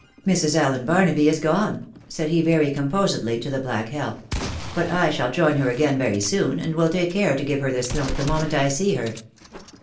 " iSIrs. Allen Barnaby is gone," said he very composedly to the black help, " but I shall join her again very soon, and will take care to give her this note the moment I see her."